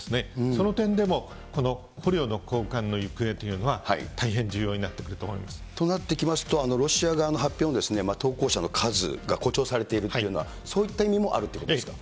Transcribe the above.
その点でも、この捕虜の交換の行方というのは、大変重要になってとなってきますと、ロシア側の発表に投降者の数が誇張されているというような、そういった意味もあるということですか。